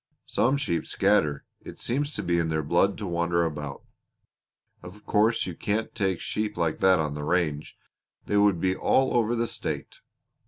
Some sheep scatter. It seems to be in their blood to wander about. Of course you can't take sheep like that on the range. They would be all over the state."